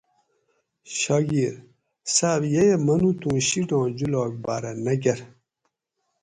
شاگیر: صاۤب ییہ منوت اُوں شیٹاں جولاگ باۤرہ نہ کرۤ